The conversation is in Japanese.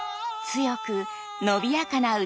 強く伸びやかな歌声。